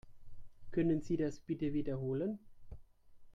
Können Sie das bitte wiederholen?